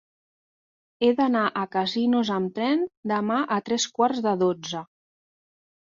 He d'anar a Casinos amb tren demà a tres quarts de dotze.